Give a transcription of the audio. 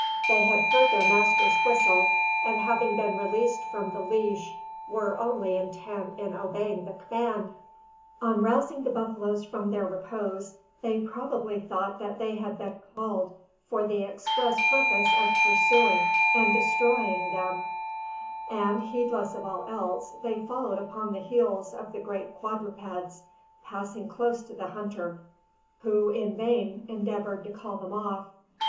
They had heard their master's whistle, and having been released from the leash, were only intent in obeying the command. On rousing the buffaloes from their repose, they probably thought that they had been called for the express purpose of pursuing and destroying them; and, heedless of all else, they followed upon the heels of the great quadrupeds, passing close to the hunter, who in vain endeavoured to call them off.